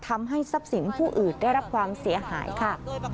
ทำให้ทรัพย์สินผู้อื่นได้รับความเสียหายค่ะ